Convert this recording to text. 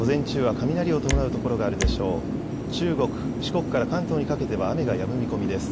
中国、四国から関東にかけては雨がやむ見込みです。